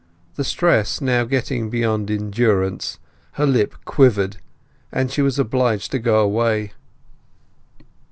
The stress now getting beyond endurance, her lip quivered, and she was obliged to go away.